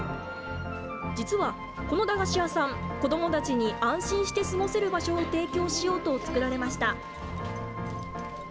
実は、この駄菓子屋さん、子どもたちに安心して過ごせる場所を提供しようと作られました。